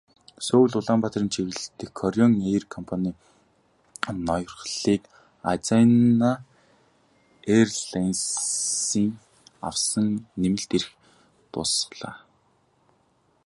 Сөүл-Улаанбаатарын чиглэл дэх Кореан эйр компанийн ноёрхлыг Азиана эйрлайнсын авсан нэмэлт эрх дуусгалаа.